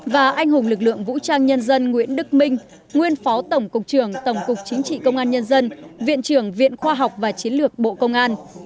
và anh hùng lực lượng vũ trang nhân dân nguyễn đức minh nguyên phó tổng cục trưởng tổng cục chính trị công an nhân dân viện trưởng viện khoa học và chiến lược bộ công an